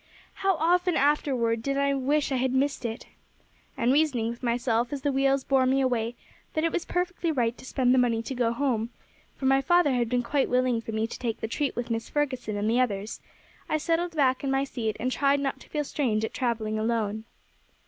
How often afterward did I wish I had missed it! And reasoning within myself as the wheels bore me away, that it was perfectly right to spend the money to go home, for my father had been quite willing for me to take the treat with Mrs. Ferguson and the others, I settled back in my seat, and tried not to feel strange at travelling alone."